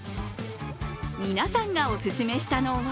皆さんがお勧めしたのは